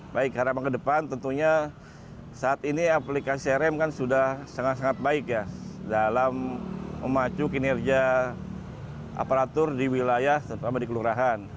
baik harapan ke depan tentunya saat ini aplikasi crm kan sudah sangat sangat baik ya dalam memacu kinerja aparatur di wilayah terutama di kelurahan